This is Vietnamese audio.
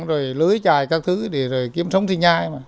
rồi lưới trài các thứ để rồi kiếm sống sinh nhai mà